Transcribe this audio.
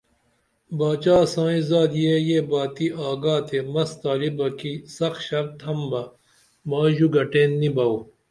باشا سائیں زادیہ یہ باتی آگا تے مس تالبہ کی سخ شرط تھمبہ مائی ژو گٹین نی بو